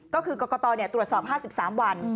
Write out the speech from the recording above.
ก็คือกรกตตรวจสอบ๕๓วัน